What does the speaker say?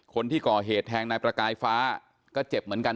คนที่ก่อเหตุแทงนายประกายฟ้าก็เจ็บเหมือนกัน